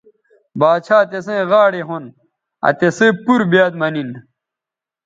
باڇھا تسئیں غاڑے ھون آ تِسئ پور بیاد مہ نن